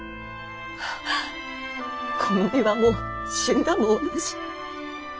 この身はもう死んだも同じ。